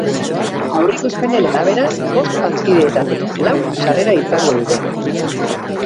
Aurreikuspenen arabera, bost bazkideetatik lauk sarrera izango dute.